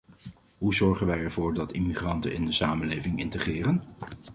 Hoe zorgen wij ervoor dat immigranten in de samenleving integreren?